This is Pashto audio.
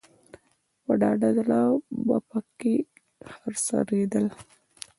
په ډاډه زړه به په کې څرېدل.